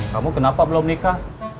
kamu kenapa belum nikah